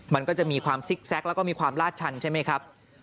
มันก็จะมีความซิกแก๊กแล้วก็มีความลาดชันใช่ไหมครับ